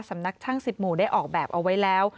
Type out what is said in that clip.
สำนักช่าง๑๐หมู่ได้ออกแบบเอาไว้แล้ว